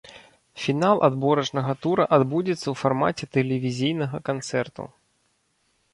Фінал адборачнага тура адбудзецца ў фармаце тэлевізійнага канцэрту.